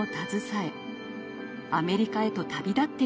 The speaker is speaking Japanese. アメリカへと旅立っていったのです。